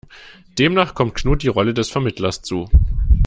Demnach kommt Knut die Rolle des Vermittlers zu.